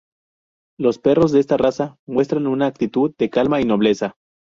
Los perros de esta raza muestran una actitud de calma y nobleza.